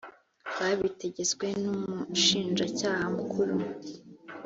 babitegetswe n umushinjacyaha mukuru